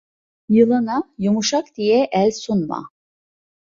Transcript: Yılana yumuşak diye el sunma.